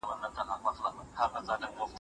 دا زوڼی زه شين کوم .